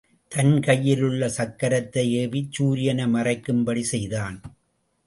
தன் கையில் உள்ள சக்கரத்தை ஏவிச் சூரியனை மறைக்கும்படி செய்தான்.